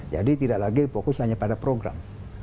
jadi tidak lagi fokus hanya pada program